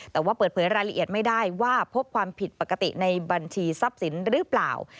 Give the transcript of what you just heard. แต่ว่าเปิดเผยรายละเอียดไม่ได้ว่าพบความผิดปกติในบัญชีทรัพย์สินหรือเปล่า